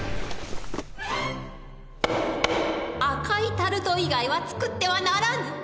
赤いタルト以外は作ってはならぬ。